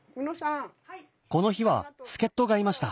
この日は助っとがいました。